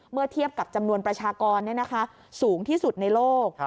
เมื่อเทียบกับจำนวนประชากรสูงที่สุดในโลก